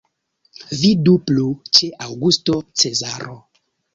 Vidu plu ĉe Aŭgusto Cezaro.